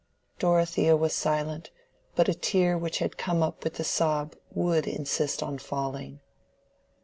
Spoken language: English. Dorothea was silent, but a tear which had come up with the sob would insist on falling.